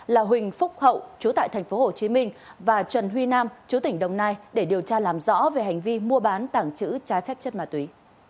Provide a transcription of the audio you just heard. là huỳnh phúc hậu chú tại tp hcm và trần huy nam chú tỉnh đồng nai để điều tra làm rõ về hành vi mua bán tảng chữ trái phép chất ma túy